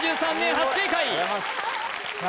初正解さあ